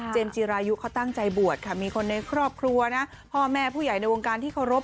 จีรายุเขาตั้งใจบวชค่ะมีคนในครอบครัวนะพ่อแม่ผู้ใหญ่ในวงการที่เคารพ